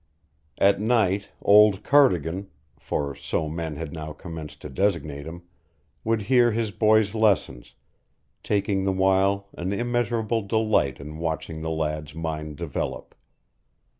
At night old Cardigan (for so men had now commenced to designate him!) would hear his boy's lessons, taking the while an immeasurable delight in watching the lad's mind develop.